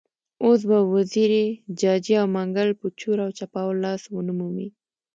اوس به وزیري، جاجي او منګل په چور او چپاول لاس ونه مومي.